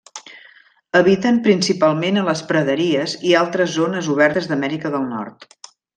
Habiten principalment a les praderies i altres zones obertes d'Amèrica del Nord.